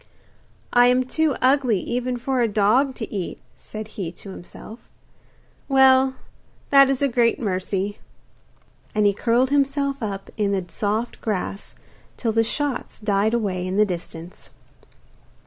'I am too ugly even for a dog to eat,' said he to himself. 'Well, that is a great mercy.' And he curled himself up in the soft grass till the shots died away in the distance.